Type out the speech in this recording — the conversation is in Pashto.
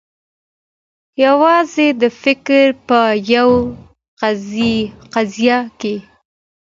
یوازي د فکر په یوه قضیه کي